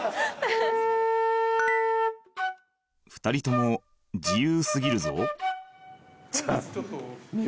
［２人とも自由過ぎるぞ］